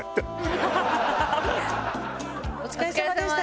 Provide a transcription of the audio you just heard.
お疲れさまでした。